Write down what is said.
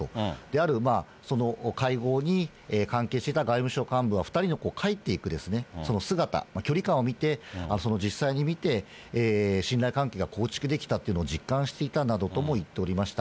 ある会合に関係していた外務省幹部は、２人の帰っていく姿、距離感を見て、実際に見て、信頼関係が構築できたというのを実感できたとも言っておりました。